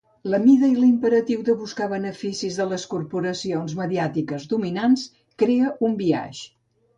La mida i l'imperatiu de buscar beneficis de les corporacions mediàtiques dominants crea un biaix.